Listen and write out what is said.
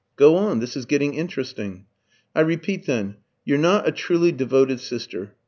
"Go on. This is getting interesting." "I repeat, then, you're not a truly devoted sister.